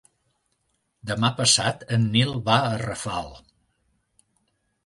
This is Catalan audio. Demà passat en Nil va a Rafal.